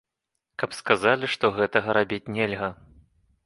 Каб сказалі, што гэтага рабіць нельга.